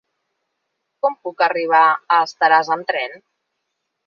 Com puc arribar a Estaràs amb tren?